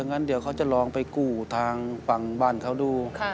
งั้นเดี๋ยวเขาจะลองไปกู้ทางฝั่งบ้านเขาดู